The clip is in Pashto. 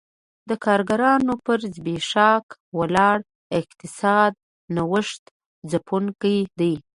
د کارګرانو پر زبېښاک ولاړ اقتصاد نوښت ځپونکی دی